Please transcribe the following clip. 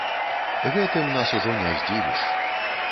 Гэтым нас ужо не здзівіш.